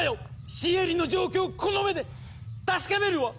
シエリの状況をこの目で確かめるわ！